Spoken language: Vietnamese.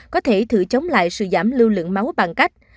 có thể thử chống lại sự giảm lưu lượng máu bằng cách